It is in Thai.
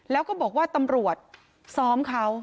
แล้วก็บอกว่าตำรวจซ้อมเขา